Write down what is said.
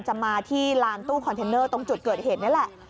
จะมาที่ลานตู้คอนเทนเนอร์ตรงจุดเกิดเหตุนี่แหละ